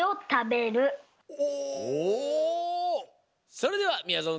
それではみやぞん